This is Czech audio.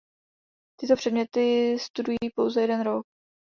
Tyto předměty studují pouze jeden rok.